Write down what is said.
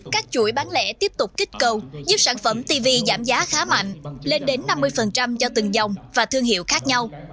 các chuỗi bán lẻ tiếp tục kích cầu giúp sản phẩm tv giảm giá khá mạnh lên đến năm mươi cho từng dòng và thương hiệu khác nhau